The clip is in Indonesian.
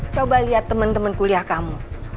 coba lihat temen temen kuliah kamu